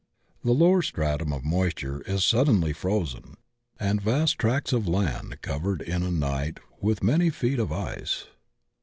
The lower stratum of moisture is suddenly frozen, and vast tracts of land covered in a night with many feet of ice.